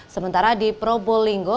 sementara di probolinggo